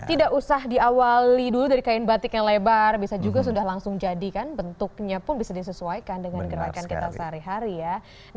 tidak usah diawali dulu dari kain batik yang lebar bisa juga sudah langsung jadi kan bentuknya pun bisa disesuaikan dengan gerakan kita sehari hari ya